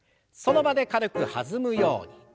その場で軽く弾むように。